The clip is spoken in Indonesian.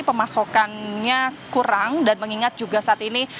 pemasokannya kurang dan mengingat juga saat ini